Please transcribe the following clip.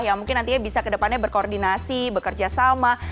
yang mungkin nantinya bisa kedepannya berkoordinasi bekerja sama